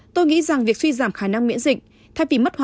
tôi nghĩ rằng việc suy giảm khả năng miễn dịch